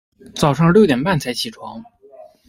早上六点半才起床